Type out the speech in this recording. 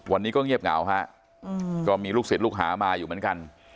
วันนี้ก็เงียบเหงาฮะก็มีลูกศิษย์ลูกหามาอยู่เหมือนกัน